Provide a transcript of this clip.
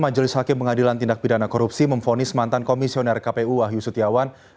majelis hakim pengadilan tindak pidana korupsi memfonis mantan komisioner kpu wahyu setiawan